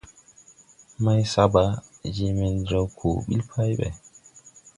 Maysaba jee mendrew ko ɓil pay ɓɛ.